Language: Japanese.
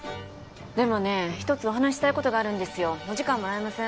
でもね一つお話ししたいことがあるんですよお時間もらえません？